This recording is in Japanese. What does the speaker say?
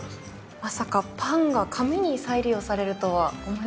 まさかパンが紙に再利用されるとは思いませんでした。